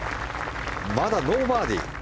まだノーバーディー。